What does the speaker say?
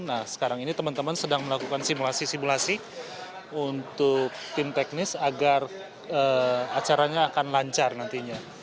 nah sekarang ini teman teman sedang melakukan simulasi simulasi untuk tim teknis agar acaranya akan lancar nantinya